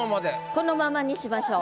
このままにしましょう。